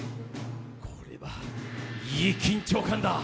これはいい緊張感だ。